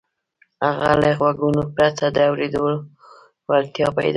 هغه له غوږونو پرته د اورېدو وړتيا پيدا کړي.